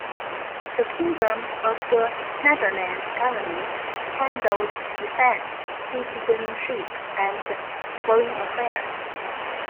The 'Kingdom of the Netherlands' Government handles defense, citizenship and foreign affairs.